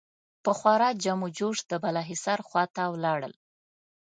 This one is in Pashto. په خورا جم و جوش د بالاحصار خوا ته ولاړل.